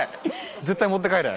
絶対持って帰れ。